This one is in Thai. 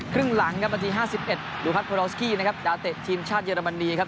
ครึ่งหลังครับนาที๕๑ดูพัฒโพรอสกี้นะครับดาวเตะทีมชาติเยอรมนีครับ